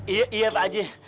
iya pak ajie